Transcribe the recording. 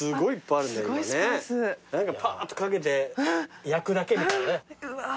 ぱーっと掛けて焼くだけみたいなね。